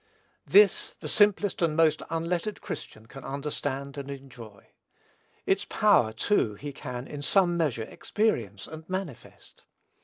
This, the simplest and most unlettered Christian can understand and enjoy. Its power, too, he can, in some measure, experience and manifest.